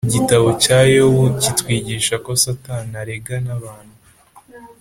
Igitabo cya Yobu kitwigisha ko Satani arega n abantu